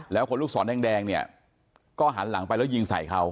แล้วคนลูกศรแดงเนี่ยก็หันหลังไปแล้วยิงใส่เขา